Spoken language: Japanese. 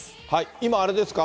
今、あれですか？